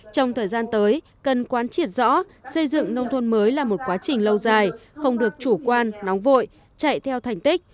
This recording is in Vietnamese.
trong thời gian tới cần quán triệt rõ xây dựng nông thôn mới là một quá trình lâu dài không được chủ quan nóng vội chạy theo thành tích